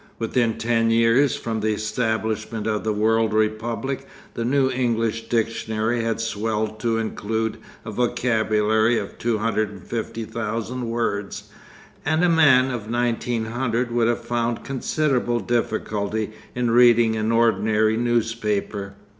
Within ten years from the establishment of the World Republic the New English Dictionary had swelled to include a vocabulary of 250,000 words, and a man of 1900 would have found considerable difficulty in reading an ordinary newspaper.